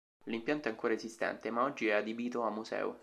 L'impianto è ancora esistente, ma oggi è adibito a museo.